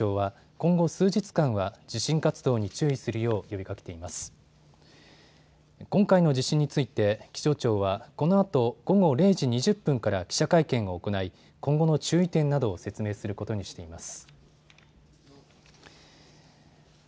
今回の地震について気象庁はこのあと午後０時２０分から記者会見を行い、今後の注意点などを説明することにしています。